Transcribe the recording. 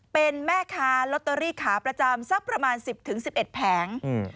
เป็นแม่ค้าลอตเตอรี่ขาประจำสักประมาณ๑๐๑๑แผง